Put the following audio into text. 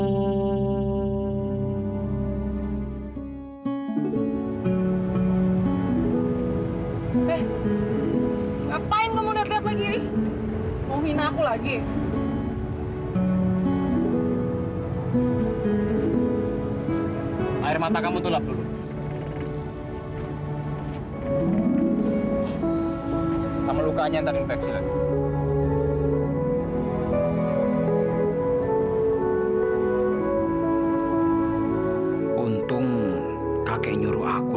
sampai jumpa di video selanjutnya